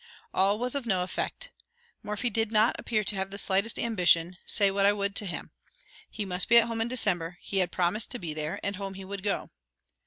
All was of no effect. Morphy did not appear to have the slightest ambition, say what I would to him. He must be at home in December; he had promised to be there, and home he would go.